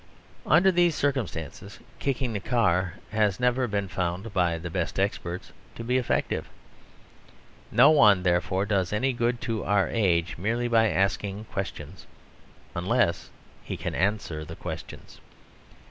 Under these circumstances kicking the car has never been found by the best experts to be effective. No one, therefore, does any good to our age merely by asking questions unless he can answer the questions.